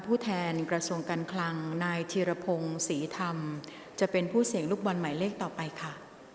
ผู้แทนกระทรวงการคลังนายธีรพงศ์ศรีธรรมจะเป็นผู้เสี่ยงลูกบอลหมายเลขต่อไปค่ะ